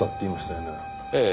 ええ。